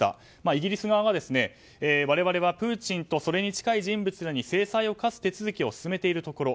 イギリス側は我々はプーチンとそれに近い人物らに制裁を科す手続きを進めているところ。